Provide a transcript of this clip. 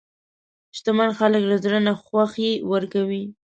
شتمن خلک له زړه نه خوښي ورکوي.